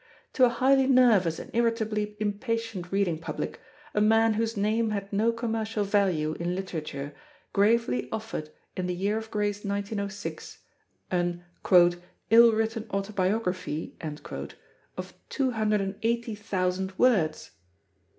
To a highly nervous and irritably impatient reading public, a man whose name had no commercial value in literature gravely offered in the year of grace 1906 an "ill written autobiography" of two hundred and eighty thousand words!